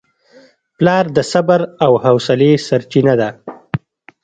پلار د صبر او حوصلې سرچینه ده.